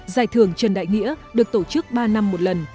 giải thưởng trần đại nghĩa được tổ chức ba năm một lần